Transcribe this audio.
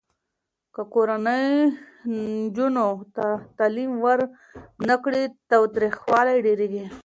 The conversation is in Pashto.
که کورنۍ نجونو ته تعلیم ورنه کړي، تاوتریخوالی ډېریږي.